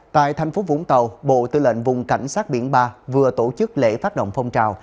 tại thành phố vũng tàu bộ tư lệnh vùng cảnh sát biển ba vừa tổ chức lễ phát động phong trào